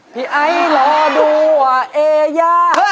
พี่ไอ้รอดูแลยา